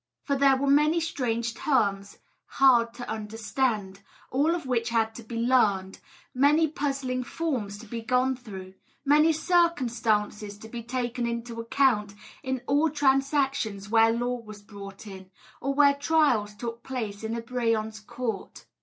For there were many strange terms hard to understand, all of which had to be learned, many puzzling forms to be gone through, many circumstances to be taken into account in all transactions where law was brought in, or where trials took place in a brehon's court.